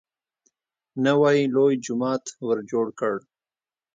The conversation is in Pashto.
نوی لوی جومات ورجوړ کړ.